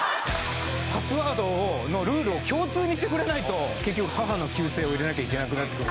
パスワードのルールを共通にしてくれないと結局母の旧姓を入れなきゃいけなくなってくる。